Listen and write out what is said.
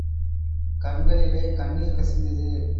கண்களிலே கண்ணீர் கசிந்தது.